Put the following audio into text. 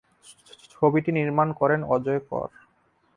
ছবিটি নির্মাণ করেন অজয় কর।